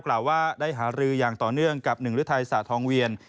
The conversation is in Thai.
กล่าวว่าได้หารืออย่างต่อเนื่องกับหนึ่งฤทัยสาธองเวียน